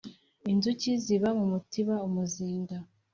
inzuki ziba mu mutiba (umuzinga)